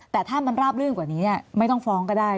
แต่ถ้ามันราบลื่นกว่านี้ไม่ต้องฟ้องก็ได้